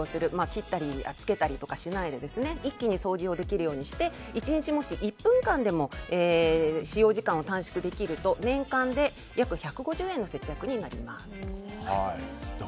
切ったりつけたりとかしないで一気に掃除できるようにして１日もし、１分間でも使用時間を短縮できると年間で約１５０円の節約になります。